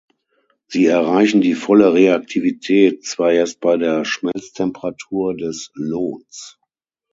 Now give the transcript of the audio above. Sie erreichen die volle Reaktivität zwar erst bei der Schmelztemperatur des Lots.